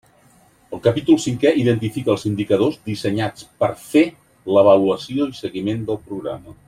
El capítol cinquè identifica els indicadors dissenyats per fer l'avaluació i seguiment del programa.